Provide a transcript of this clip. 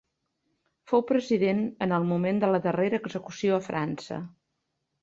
Fou president en el moment de la darrera execució a França.